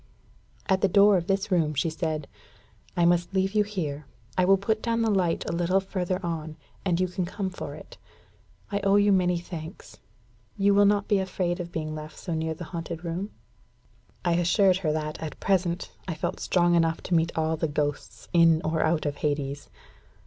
At the door of this room she said, "I must leave you here. I will put down the light a little further on, and you can come for it. I owe you many thanks. You will not be afraid of being left so near the haunted room?" I assured her that at present I felt strong enough to meet all the ghosts in or out of Hades.